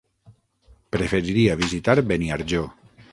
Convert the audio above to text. Preferiria visitar Beniarjó.